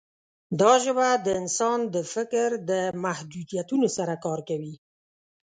دا ژبه د انسان د فکر د محدودیتونو سره کار کوي.